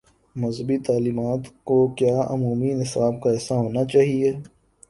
مذہبی تعلیمات کو کیا عمومی نصاب کا حصہ ہو نا چاہیے؟